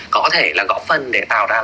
có thể là gõ phần để tạo ra